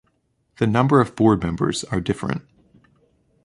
The number of board members are different.